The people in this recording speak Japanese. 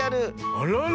あらら！